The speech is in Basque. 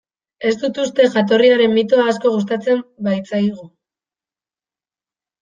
Ez dut uste, jatorriaren mitoa asko gustatzen baitzaigu.